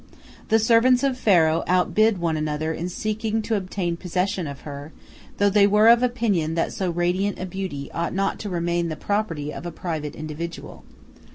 The servants of Pharaoh outbid one another in seeking to obtain possession of her, though they were of opinion that so radiant a beauty ought not to remain the property of a private individual.